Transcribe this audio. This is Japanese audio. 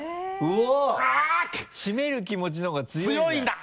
閉める気持ちのほうが強いんだよ。